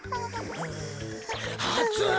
あつい！